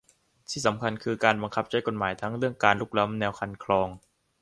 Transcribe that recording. ที่สำคัญคือการบังคับใช้กฎหมายทั้งเรื่องการรุกล้ำแนวคันคลอง